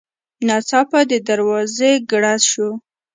ناڅاپه د دروازې ګړز شو.